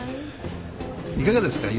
いかがですか？